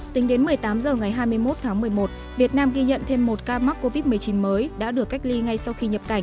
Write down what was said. tính đến một mươi tám h ngày hai mươi một tháng một mươi một việt nam ghi nhận thêm một ca mắc covid một mươi chín mới đã được cách ly ngay sau khi nhập cảnh